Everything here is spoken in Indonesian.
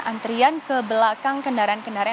antrian ke belakang kendaraan kendaraan